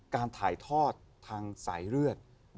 การถ่ายทอดทางสายเลือด